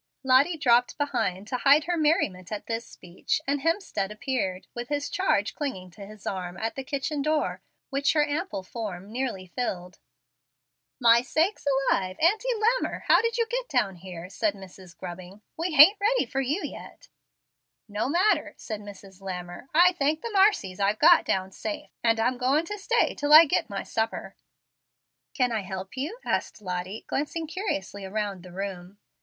Lottie dropped behind to hide her merriment at this speech, and Hemstead appeared, with his charge clinging to his arm, at the kitchen door, which her ample form nearly filled. "My sakes alive! Auntie Lammer, how did you get down here?" said Mrs. Gubling. "We hain't ready for you yet." "No matter," said Mrs. Lammer, "I thank the marcies I've got down safe, and I'm goin' to stay till I git my supper." "Can I help you?" asked Lottie, glancing curiously around the room.